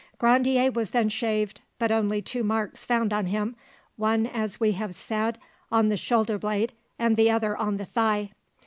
Grandier was then shaved, but only two marks found on him, one as we have said on the shoulder blade, and the other on the thigh.